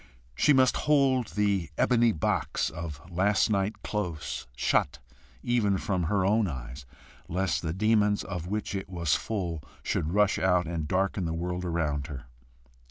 She must hold the "ebony box" of last night close shut even from her own eyes, lest the demons of which it was full should rush out and darken the world about her.